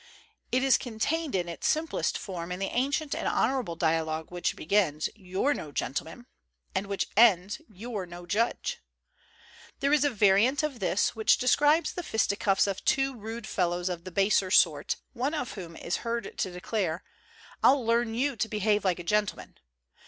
It is contained in its simplest form in the ancient and honorable dialogue which begins, "You're no gentleman !" and which ends, "You're no judge !" There is a variant of this which describes the fisticuffs of two rude fellows of the baser sort, one of whom is heard to declare, "I'll learn you to behave like a gentleman!"